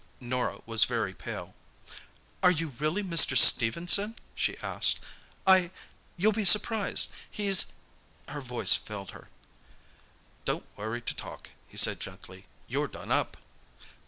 Norah was very pale. "Are you really Mr. Stephenson?" she asked. "I... You'll be surprised.... He's..." Her voice failed her. "Don't worry to talk," he said gently. "You're done up."